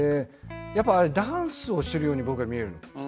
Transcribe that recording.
ダンスをしているように僕は見える。